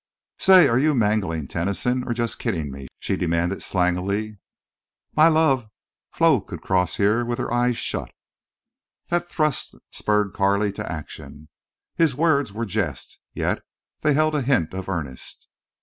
"Say, are you mangling Tennyson or just kidding me?" she demanded slangily. "My love, Flo could cross here with her eyes shut." That thrust spurred Carley to action. His words were jest, yet they held a hint of earnest.